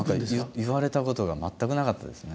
言われたことが全くなかったですね。